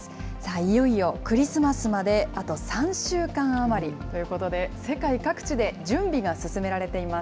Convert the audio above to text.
いよいよクリスマスまであと３週間余りということで、世界各地で準備が進められています。